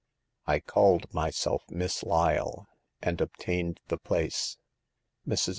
I called myself Miss Lyle, and obtained the place. Mrs.